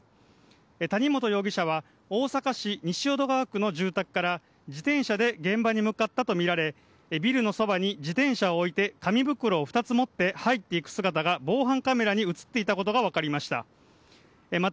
谷本容疑者は大阪市西淀川区の住宅から自転車で現場に向かったとみられビルのそばに自転車を置いて紙袋を２つ持って入っていく姿が防犯カメラに映っていたことが分かりました。